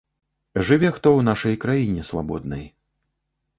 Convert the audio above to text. Жыве хто ў нашай краіне свабоднай.